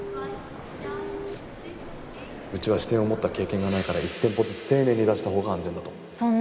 うちは支店を持った経験がないから１店舗ずつ丁寧に出したほうが安全だと思う。